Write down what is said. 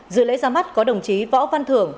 dự lễ ra mắt có đồng chí võ văn thưởng